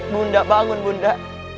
bunda bangun bunda